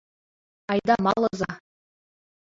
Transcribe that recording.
— Айда малыза.